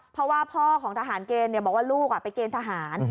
เพราะว่าพ่อของทหารเกณฑ์บอกว่าลูกไปเกณฑ์ทหาร